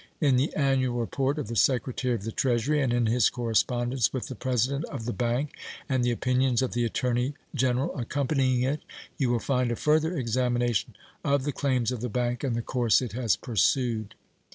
In the annual report of the Secretary of the Treasury, and in his correspondence with the president of the bank, and the opinions of the Attorney General accompanying it, you will find a further examination of the claims of the bank and the course it has pursued.